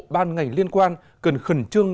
ban ngành liên quan cần khẩn trương